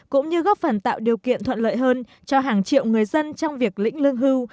cũng như góp phần tạo điều kiện thuận lợi hơn cho hàng triệu người dân trong việc lĩnh lương hưu